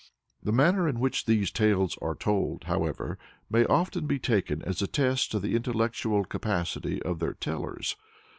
The manner in which these tales are told, however, may often be taken as a test of the intellectual capacity of their tellers.